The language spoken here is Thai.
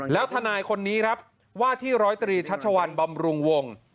แล้วทนายคนนี้ครับว่าที่ร้อยตรีชัชวัลบำรุงวง